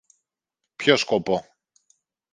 Ποιο σκοπό;